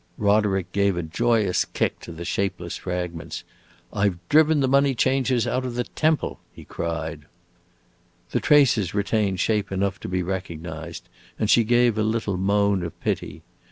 Roderick gave a joyous kick to the shapeless fragments. "I 've driven the money changers out of the temple!" he cried. The traces retained shape enough to be recognized, and she gave a little moan of pity.